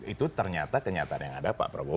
itu ternyata kenyataan yang ada pak prabowo